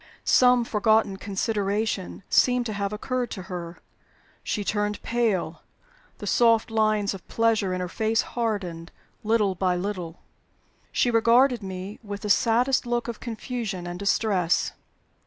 Some forgotten consideration seemed to have occurred to her. She turned pale; the soft lines of pleasure in her face hardened, little by little; she regarded me with the saddest look of confusion and distress.